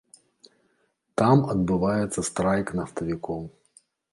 Там адбываецца страйк нафтавікоў.